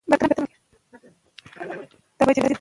که په ښوونځي کې خوشالي وي، نو زده کوونکي هومره خوشحال دي.